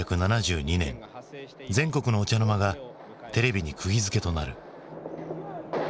全国のお茶の間がテレビにくぎづけとなる。